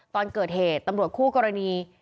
ตอนเกิดเหตุตำรวจคู่กรณี